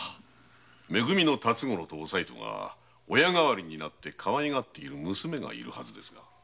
「め組」の辰五郎とおさいとが親代わりになってかわいがっている娘がいるはずですが。